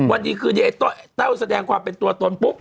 วันดีคืนนี้ไอ้แต้วแสดงความเป็นตัวตนปุ๊บ